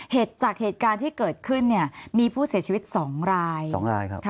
จากเหตุการณ์ที่เกิดขึ้นเนี่ยมีผู้เสียชีวิตสองรายสองรายครับ